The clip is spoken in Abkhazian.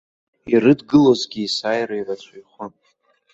Ирыдгылозгьы есааира ирацәаҩхон.